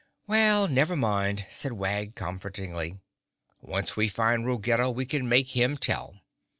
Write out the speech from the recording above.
"Well, never mind," said Wag comfortingly. "Once we find Ruggedo we can make him tell.